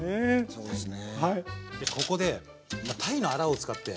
そうですね。